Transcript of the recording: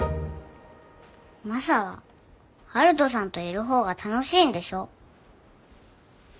マサは陽斗さんといる方が楽しいんでしょ？